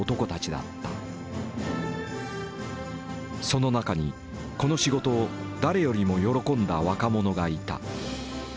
その中にこの仕事を誰よりも喜んだ若者がいた。